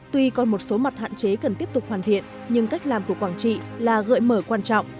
tuy còn một số mặt hạn chế cần tiếp tục hoàn thiện nhưng cách làm của quảng trị là gợi mở quan trọng